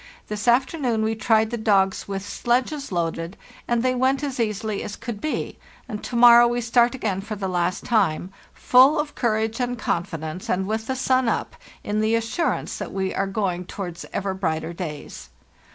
This afternoon we tried the dogs with sledges loaded, and they went as easily as could be, and to morrow we start again for the last time, full of courage and confidence and with the sun up, in the assurance that we are going towards ever brighter days.